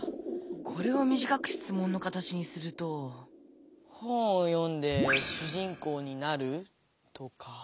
これをみじかく質問の形にすると「本を読んでしゅじんこうになる？」とか。